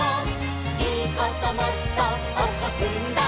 「いいこともっとおこすんだ」